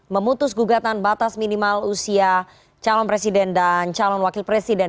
memutus gugatan batas minimal usia calon presiden dan calon wakil presiden